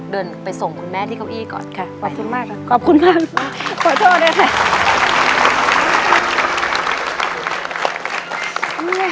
เดินไปส่งคุณแม่ที่เก้าอี้ก่อนค่ะขอบคุณมากครับขอบคุณมาก